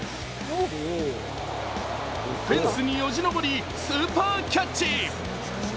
フェンスによじ登り、スーパーキャッチ。